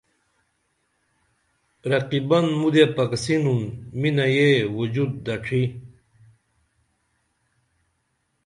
رقیبن مودیہ پکسینُن منہ یہ وجود دڇی